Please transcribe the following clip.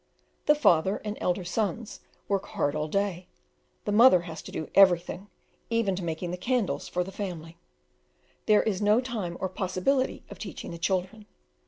The father and elder sons work hard all day; the mother has to do everything, even to making the candles, for the family; there is no time or possibility of teaching the children.